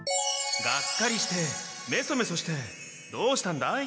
がっかりしてめそめそしてどうしたんだい？